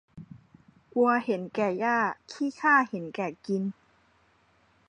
วัวเห็นแก่หญ้า ขี้ข้าเห็นแก่กิน